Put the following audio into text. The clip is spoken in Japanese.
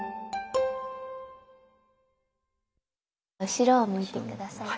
後ろを向いて下さい。